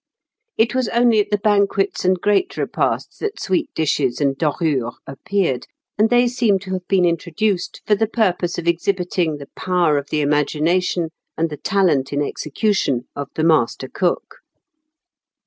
It was only at the banquets and great repeats that sweet dishes and dorures appeared, and they seem to have been introduced for the purpose of exhibiting the power of the imagination and the talent in execution of the master cook.